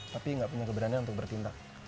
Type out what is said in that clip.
tapi nggak punya keberanian untuk bertindak